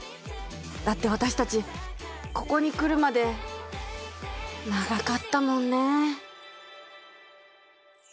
だって私たちここにくるまで長かったもんね。